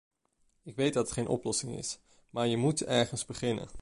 Ik weet dat het geen oplossing is, maar je moet ergens beginnen.